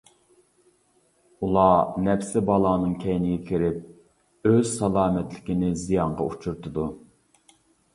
ئۇلار نەپسى بالانىڭ كەينىگە كىرىپ، ئۆز سالامەتلىكىنى زىيانغا ئۇچرىتىدۇ.